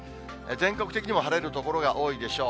全国的にも晴れる所が多いでしょう。